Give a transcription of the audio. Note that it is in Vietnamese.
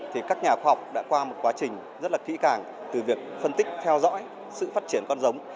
thì các nhà khoa học đã qua một quá trình rất là kỹ càng từ việc phân tích theo dõi sự phát triển con giống